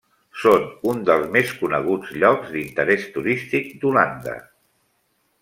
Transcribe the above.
Són un dels més coneguts llocs d'interès turístic d'Holanda.